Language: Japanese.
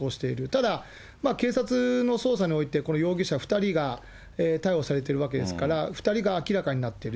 ただ警察の捜査において、この容疑者２人が逮捕されているわけですから、２人が明らかになってる。